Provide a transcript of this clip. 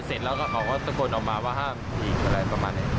เสร็จแล้วก็เขาก็ตะโกนออกมาว่าห้ามอีกอะไรประมาณนี้